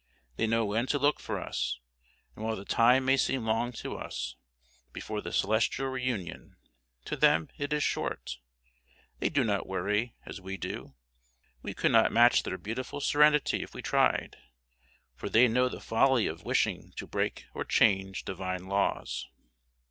They know when to look for us, and while the time may seem long to us before the celestial reunion, to them it is short. They do not worry, as we do. We could not match their beautiful serenity if we tried, for they know the folly of wishing to break or change divine laws.